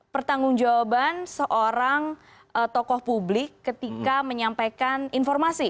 pertanggung jawaban seorang tokoh publik ketika menyampaikan informasi